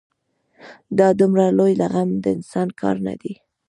دا دومره لوی لغم د انسان کار نه دی.